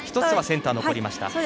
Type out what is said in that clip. １つセンターに残りました。